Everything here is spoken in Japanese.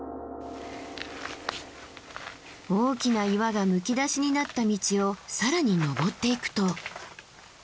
大きな岩がむき出しになった道を更に登っていくと。